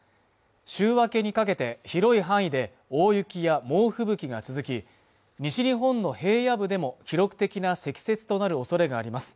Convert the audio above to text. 週明けにかけて広い範囲で大雪や猛吹雪が続き西日本の平野部でも記録的な積雪となるおそれがあります